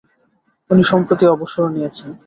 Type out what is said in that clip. উনি সম্প্রতি অবসর নিয়েছেন।